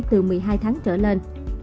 từ một mươi hai tháng trở lên